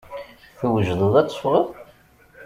Twejdeḍ ad teffɣeḍ?